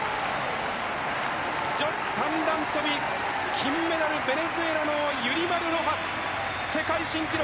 女子三段跳び金メダルベネズエラのユリマル・ロハス、世界新記録。